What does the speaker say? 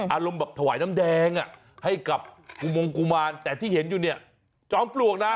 อารมณ์แบบถวายน้ำแดงให้กับกุมงกุมารแต่ที่เห็นอยู่เนี่ยจอมปลวกนะ